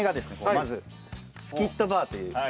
まずスキッドバーという。